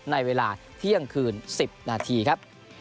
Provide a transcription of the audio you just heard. ในเวลาเที่ยงคืน๑๐นาทีครับ